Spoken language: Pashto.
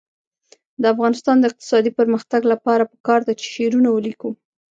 د افغانستان د اقتصادي پرمختګ لپاره پکار ده چې شعرونه ولیکو.